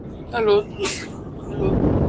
Es la cabecera del cantón de su nombre.